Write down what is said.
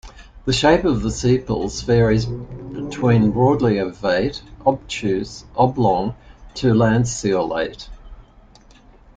The shape of the sepals varies between broadly ovate, obtuse, oblong to lanceolate.